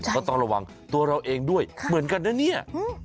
ก็ต้องระวังตัวเราเองด้วยเหมือนกันนะเนี่ย